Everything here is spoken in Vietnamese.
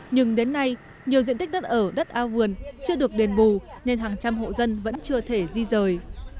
nhưng đến nay nhiều diện tích đất ở đất ao vườn chưa được đền bù nên hàng trăm hộ dân vẫn chưa thể di rời